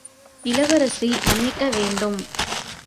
இளவரசி மன்னிக்க வேண்டும்.